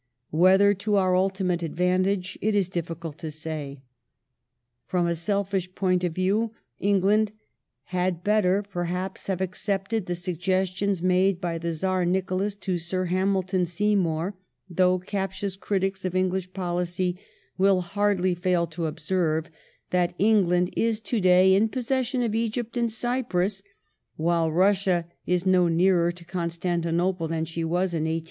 Whether to our ultimate advantage it is difficult to say. From a selfish point of view England had better, perhaps, have accepted the suggestions made by the Czar Nicholas to Sir Hamilton Seymour, though captious critics of English policy will hardly fail to observe that England is to day in possession of Egypt and Cyprus, While Russia is no nearer to Constantinople than she was in 1853^_v^va, \k\^ '^.